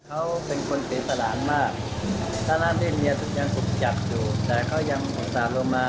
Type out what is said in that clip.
ว่าลุงเคยตัดสินใจ